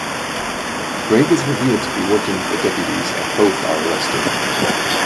Greg is revealed to be working with the deputies and both are arrested.